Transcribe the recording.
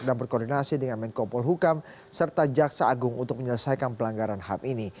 dan berkoordinasi dengan menkopol hukam serta jaksa agung untuk menyelesaikan pelanggaran ham ini